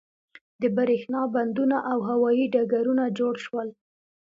د بریښنا بندونه او هوایی ډګرونه جوړ شول.